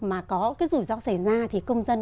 mà có rủi ro xảy ra thì công dân